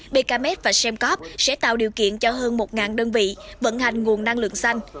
becamec và semcov sẽ tạo điều kiện cho hơn một đơn vị vận hành nguồn năng lượng xanh